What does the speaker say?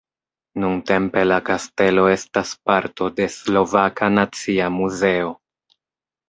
Nuntempe la kastelo estas parto de Slovaka nacia muzeo.